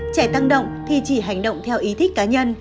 trẻ tăng động thì chỉ hành động theo ý thích cá nhân